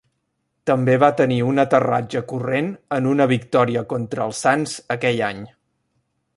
També va tenir un aterratge corrent en una victòria contra els sants aquell any.